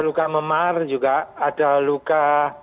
luka memar juga ada luka